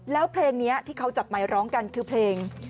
แล้วเพลงนี้ที่เขาจับไมค์ร้องกันคือเพลง